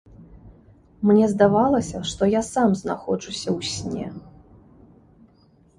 Мне здавалася, што я сам знаходжуся ў сне.